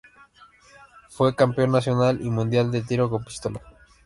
Fue campeón nacional y mundial de tiro con pistola.